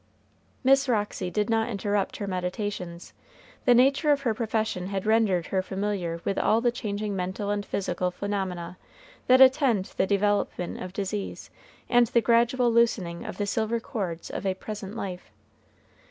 Miss Roxy did not interrupt her meditations. The nature of her profession had rendered her familiar with all the changing mental and physical phenomena that attend the development of disease and the gradual loosening of the silver cords of a present life.